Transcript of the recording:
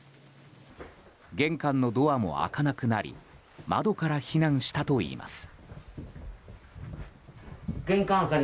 玄関のドアも開かなくなり窓から避難したといいます。